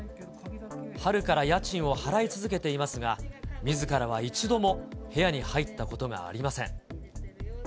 春から家賃を払い続けていますが、みずからは一度も部屋に入ったことがありません。